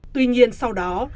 tuy nhiên sau đó